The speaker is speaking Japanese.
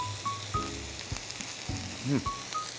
うん。